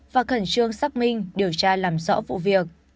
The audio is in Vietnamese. và khẩn trương xác minh điều tra làm rõ vụ việc